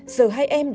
giờ hai em